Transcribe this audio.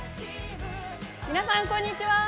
皆さんこんにちは！